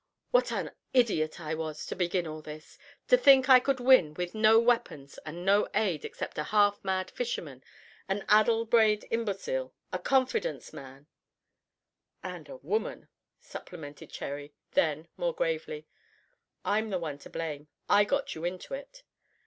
"What an idiot I was to begin all this to think I could win with no weapons and no aid except a half mad fisherman, an addle brained imbecile, a confidence man " "And a woman," supplemented Cherry. Then, more gravely: "I'm the one to blame; I got you into it."